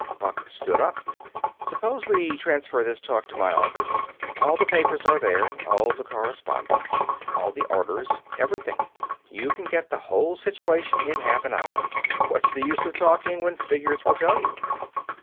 Buck stood up. "Suppose we transfer this talk to my office. All the papers are there, all the correspondence all the orders, everything. You can get the whole situation in half an hour. What's the use of talking when figures will tell you."